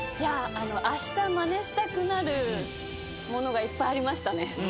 あしたマネしたくなるものがいっぱいありましたね。